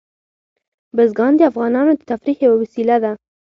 بزګان د افغانانو د تفریح یوه وسیله ده.